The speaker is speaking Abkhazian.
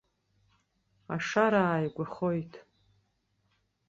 Ашара ааигәахоит.